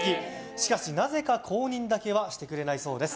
しかし、なぜか公認だけはしてくれないそうです。